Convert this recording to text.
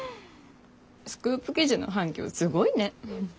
スクープ記事の反響すごいね。